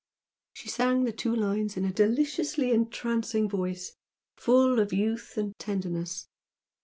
She sang the two lines in a deliciously entrancing voice, full of youth and tenderness.